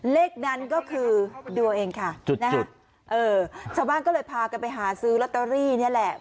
เลขนั้นก็คือดูเอาเองค่ะนะฮะเออชาวบ้านก็เลยพากันไปหาซื้อลอตเตอรี่นี่แหละ